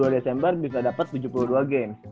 dua puluh dua desember bisa dapet tujuh puluh dua game